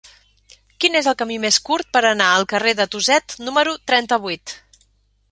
Quin és el camí més curt per anar al carrer de Tuset número trenta-vuit?